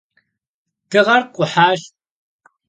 Дыгъэр къухьащ.